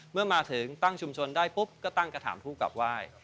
เมื่อมาถึงตั้งชุมชนได้ปุ๊บก็ตั้งกระถามผู้กลับไหว้